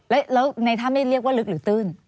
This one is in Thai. แล้วในถ้ำไม่เรียกว่าลึกหรือตื้น